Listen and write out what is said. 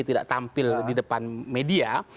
tidak tampil di depan media